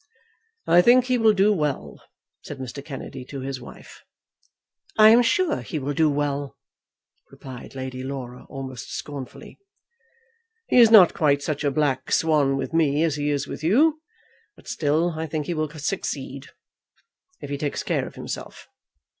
"I think he will do well," said Mr. Kennedy to his wife. "I am sure he will do well," replied Lady Laura, almost scornfully. "He is not quite such a black swan with me as he is with you; but still I think he will succeed, if he takes care of himself.